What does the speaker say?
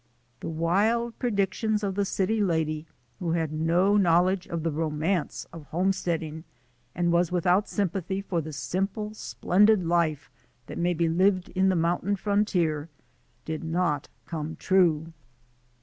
The wild predictions of the city lady, who had no knowledge of the romance of homesteading, and was without sympathy for the simple, splendid life that may be lived in the mountain frontier, did not come true.